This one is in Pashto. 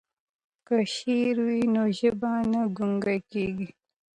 که شعر وي نو ژبه نه ګونګیږي.